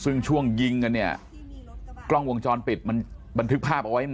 ซึ่งช่วงยิงกันเนี่ยกล้องวงจรปิดมันบันทึกภาพเอาไว้หมด